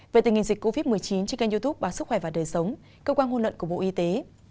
về tình hình dịch covid một mươi chín trên kênh youtube báo sức khỏe và đời sống cơ quan ngôn luận của bộ y tế